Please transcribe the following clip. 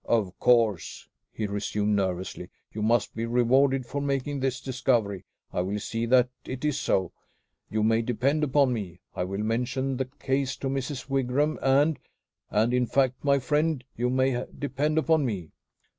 "Of course," he resumed nervously, "you must be rewarded for making this discovery. I will see that it is so. You may depend upon me. I will mention the case to Mrs. Wigram, and and, in fact, my friend, you may depend upon me.